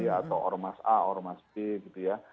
atau ormas a ormas b gitu ya